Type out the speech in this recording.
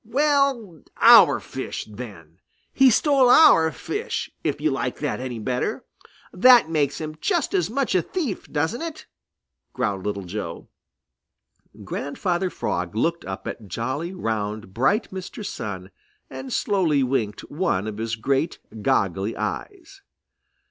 "Well, our fish, then! He stole our fish, if you like that any better. That makes him just as much a thief, doesn't it?" growled Little Joe. Grandfather Frog looked up at jolly, round, bright Mr. Sun and slowly winked one of his great, goggly eyes.